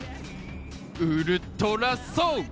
ウルトラソウル！